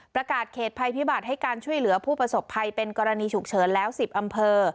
ประกาศเขตภัยพิบัติให้การช่วยเหลือผู้ประสบภัยเป็นกรณีฉุกเฉินแล้ว๑๐อำเภอ